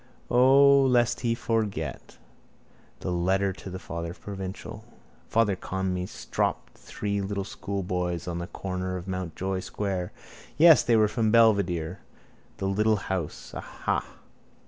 O, lest he forget. That letter to father provincial. Father Conmee stopped three little schoolboys at the corner of Mountjoy square. Yes: they were from Belvedere. The little house. Aha.